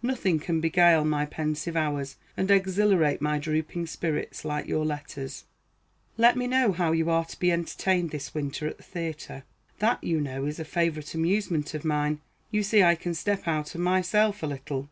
Nothing can beguile my pensive hours, and exhilarate my drooping spirits, like your letters. Let me know how you are to be entertained this winter at the theatre. That, you know, is a favorite amusement of mine. You see I can step out of myself a little.